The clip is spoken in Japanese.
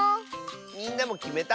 みんなもきめた？